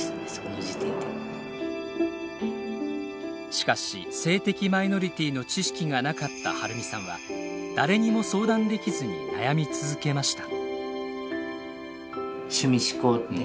しかし性的マイノリティーの知識がなかった春美さんは誰にも相談できずに悩み続けました。